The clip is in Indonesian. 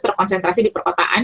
terkonsentrasi di perkotaan